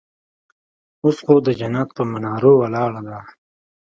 اوس خو د جنت پهٔ منارو ولاړه ده